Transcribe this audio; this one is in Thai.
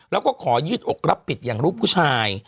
แล้วก็ขอยืดอกรับผิดอย่างลูกผู้ชาย